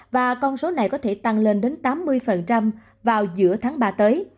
và con số này có thể tăng lên đến tám mươi vào giữa tháng ba tới